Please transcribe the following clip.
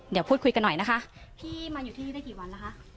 เดี๋ยวพูดคุยกันหน่อยนะคะพี่มาอยู่ที่นี่ได้กี่วันแล้วคะ